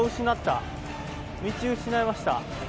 道失いました。